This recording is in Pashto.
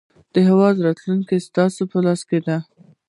د هیواد راتلونکی ستا په لاس کې دی.